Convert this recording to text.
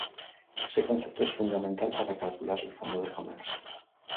Este concepto es fundamental para calcular el Fondo de comercio.